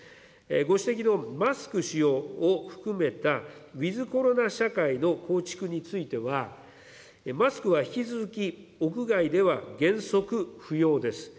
ご指摘のマスク使用を含めた、ウィズコロナ社会の構築については、マスクは引き続き、屋外では原則不要です。